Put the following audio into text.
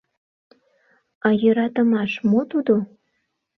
А йӧратымаш мо тудо?..